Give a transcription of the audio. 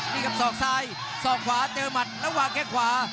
มีบารย์ซอกซ้ายซอกขวามัดแล้วไว้ใจขวา